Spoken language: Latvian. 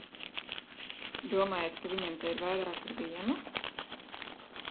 Domājat, ka viņam te ir vairāk par vienu?